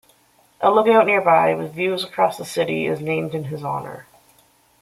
A lookout nearby, with views across the city, is named in his honour.